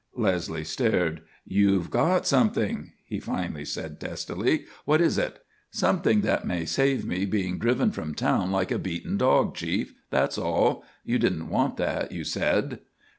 Leslie stared. "You've got something," he finally said testily. "What is it?" "Something that may save me being driven from town like a beaten dog, Chief, that's all. You didn't want that, you said."